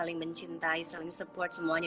saling mencintai saling support semuanya